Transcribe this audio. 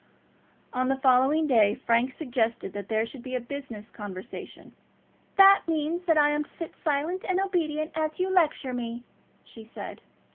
On the following day Frank suggested that there should be a business conversation. "That means that I am to sit silent and obedient while you lecture me," she said.